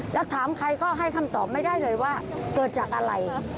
แล้วถามใครก็ให้คำตอบไม่ได้เลยว่าเกิดจากอะไร